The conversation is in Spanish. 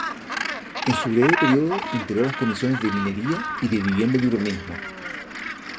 En su breve período integró las comisiones de Minería y de Vivienda y Urbanismo.